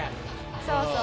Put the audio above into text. そうそう。